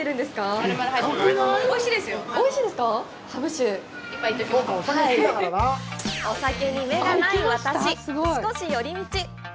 酒お酒に目がない私、少し寄り道！